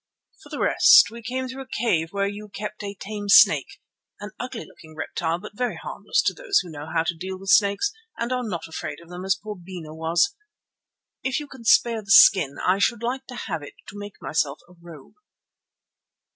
For the rest, we came through a cave where you kept a tame snake, an ugly looking reptile but very harmless to those who know how to deal with snakes and are not afraid of them as poor Bena was. If you can spare the skin I should like to have it to make myself a robe."